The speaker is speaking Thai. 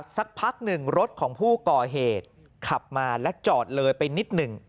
สักพักหนึ่งรถของผู้ก่อเหตุขับมาและจอดเลยไปนิดหนึ่ง